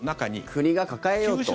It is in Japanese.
国が抱えようと。